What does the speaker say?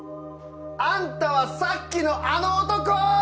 あんたはさっきのあの男！